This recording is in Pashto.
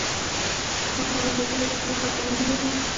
ماشومان اجازه لري چې په دې پارک کې منډې ووهي.